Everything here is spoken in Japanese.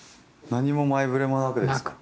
何も前触れもなくですか？